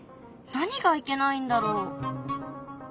何がいけないんだろう？